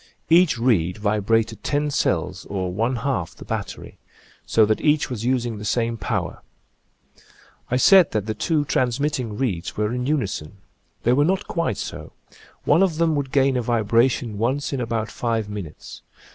Each reed vibrated ten cells, or one half the battery, so that each was using the same power. I said that the two transmitting reeds were in unison. They were not quite so; one of them would gain a vibration once in about five minutes.